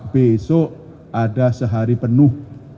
besok ada sehari penuh